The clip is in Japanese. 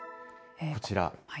こちら。